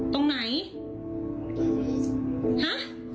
ตรงไหนฮะ